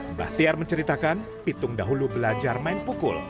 mbah tiar menceritakan pitung dahulu belajar main pukul